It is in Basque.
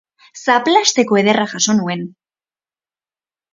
Zaplazteko ederra jaso nuen!